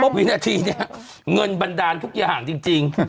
วินาทีนี้เงินบันดาลทุกอย่างจริง